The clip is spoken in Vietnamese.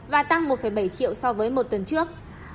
và tăng một bảy triệu so với một tuần trước